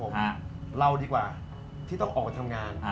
คุณชอบแบบนี้กว่าที่ต้องออกทำงาน